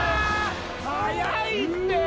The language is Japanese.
早いってー！